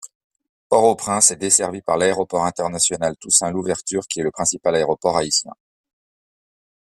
Port-au-Prince est desservi par l'aéroport international Toussaint Louverture qui est le principal aéroport haïtien.